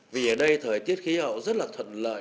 vì ở đây thời tiết khí hậu rất là thuận lợi